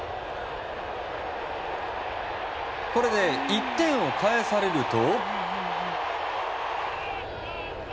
これで１点を返されると。